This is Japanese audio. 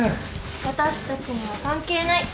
私たちには関係ない。